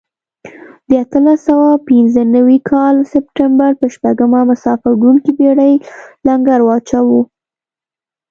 د اتلس سوه پنځه نوي کال سپټمبر په شپږمه مسافر وړونکې بېړۍ لنګر واچاوه.